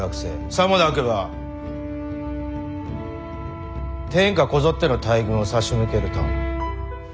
さもなくば天下こぞっての大軍を差し向けると。